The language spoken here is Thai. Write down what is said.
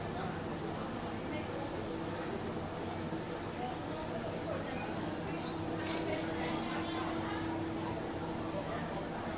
สวัสดีครับสวัสดีครับ